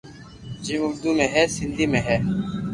جيم اردو ۾ ھي سندھي ۾ ھي